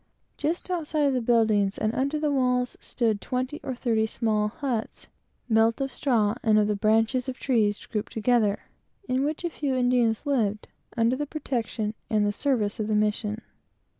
Just outside of the buildings, and under the walls, stood twenty or thirty small huts, built of straw and of the branches of trees, grouped together, in which a few Indians lived, under the protection and in the service of the mission.